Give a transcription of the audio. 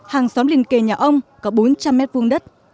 hàng xóm liền kề nhà ông có bốn trăm linh m hai đất